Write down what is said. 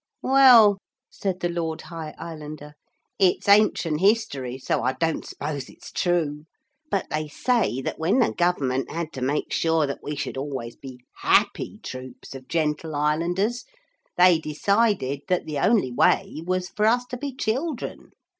'Well,' said the Lord High Islander, 'it's ancient history, so I don't suppose it's true. But they say that when the government had to make sure that we should always be happy troops of gentle islanders, they decided that the only way was for us to be children.